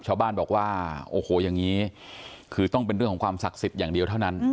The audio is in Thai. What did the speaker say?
ชาวบ้านบอกว่าโอ้โหอย่างนี้คือต้องเป็นเรื่องของความศักดิ์สิทธิ์อย่างเดียวเท่านั้น